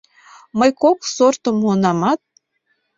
Мый кок сортым муынамат.